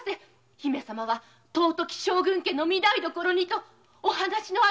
姫様は尊き将軍家の御台様にとお話のあるお方ですぞ。